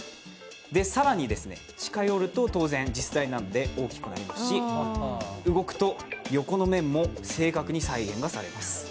更に、近寄ると当然、実寸なので大きくなりますし、動くと、横の面も正確に再現がされます。